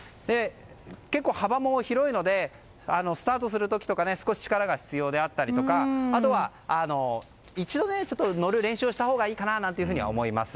結構、幅も広いのでスタートする時とか少し力が必要であったりあとは、一度乗る練習をしたほうがいいかなとも思います。